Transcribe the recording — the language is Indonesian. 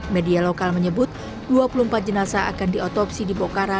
media lokal menyebut dua puluh empat jenazah akan diotopsi di bokara